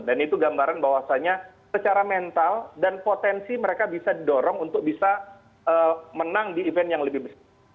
dan itu gambaran bahwasanya secara mental dan potensi mereka bisa didorong untuk bisa menang di event yang lebih besar